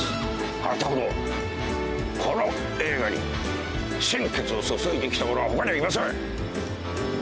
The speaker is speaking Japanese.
あなたほどこの映画に心血を注いできた者は他にはいません。